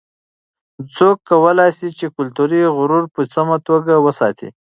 څوک کولای سي چې کلتوري غرور په سمه توګه وساتي؟